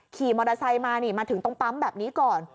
ขี่มอเตอร์ไซค์มานี่มาถึงตรงปั๊มแบบนี้ก่อน